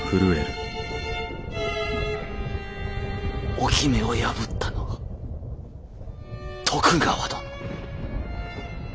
置目を破ったのは徳川殿。